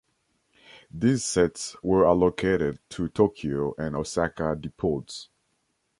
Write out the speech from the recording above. These sets were allocated to Tokyo and Osaka depots.